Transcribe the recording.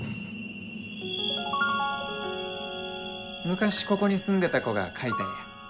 昔ここに住んでた子が描いた絵や。